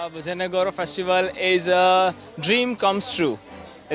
bojo nagoro festival adalah mimpi yang terjadi